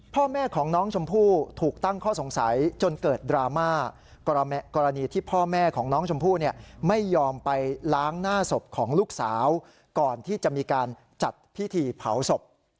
พ่อแม่ของน้องชมพู่ถูกตั้งข้อสงสัยจนเกิดดราม่ากรณีที่พ่อแม่ของน้องชมพู่เนี่ยไม่ยอมไปล้างหน้าศพของลูกสาวก่อนที่จะมีการจัดพิธีเผาศพ